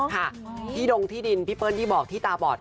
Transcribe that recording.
ค่ะที่ดงที่ดินพี่เปิ้ลที่บอกที่ตาบอด